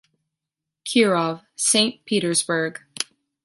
Kirov, Saint Petersburg.